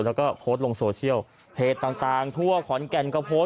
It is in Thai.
แล้วก็โพสต์ลงโซเชียลเพจต่างทั่วขอนแก่นก็โพสต์